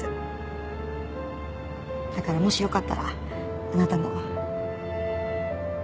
だからもしよかったらあなたも。